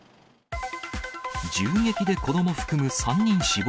銃撃で子ども含む３人死亡。